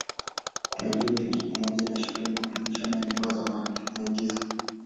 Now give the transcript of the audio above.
Kuna vyuo vingi pamoja na shule, makumbusho na nyumba za maigizo.